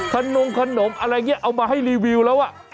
ขนมขนมอะไรเงี้ยเอามาให้รีวิวแล้วอ่ะ